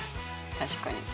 確かに。